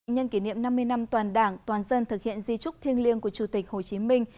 nhân kỷ niệm năm mươi năm toàn đảng toàn dân thực hiện di trúc thiêng liêng của chủ tịch hồ chí minh